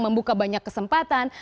membuka banyak kesempatan